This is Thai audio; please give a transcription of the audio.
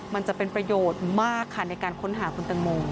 มันจะเป็นประโยชน์มากค่ะในการค้นหาคุณตังโม